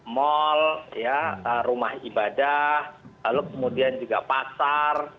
mal rumah ibadah lalu kemudian juga pasar